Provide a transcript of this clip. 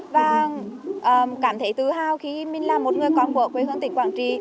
và cảm thấy tự hào khi mình là một người con của quê hương tỉnh quảng trị